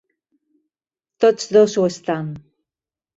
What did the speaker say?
Tots dos ho estan.